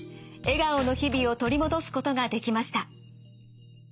笑顔の日々を取り戻すことができました。